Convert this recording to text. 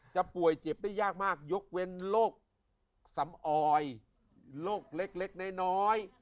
ป่วยเจ็บได้ยากมากยกเว้นโรคสำออยโรคเล็กน้อย